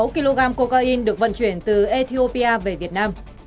hai ba mươi sáu kg cocaine được vận chuyển từ ethiopia về việt nam